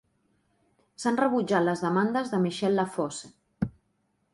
S'han rebutjat les demandes de Michel Lafosse.